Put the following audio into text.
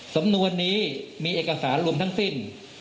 สำนวนนี้มีเอกสารรวมทั้งสิ้น